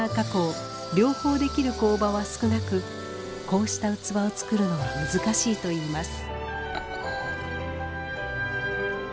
両方できる工場は少なくこうした器を作るのは難しいといいます。